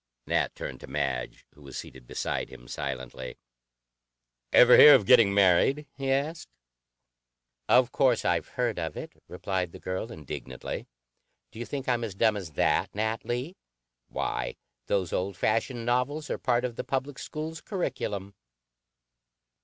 Nat turned to Madge, who was seated beside him silently. "Ever hear of 'getting married?'" he asked. "Of course I've heard of it," replied the girl indignantly. "Do you think I'm as dumb as that, Nat Lee? Why, those old fashioned novels are part of the public schools' curriculum."